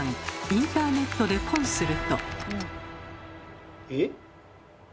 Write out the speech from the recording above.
インターネットでポンすると。